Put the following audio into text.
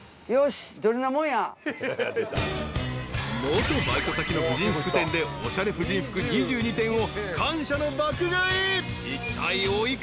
［元バイト先の婦人服店でおしゃれ婦人服２２点を感謝の爆買い。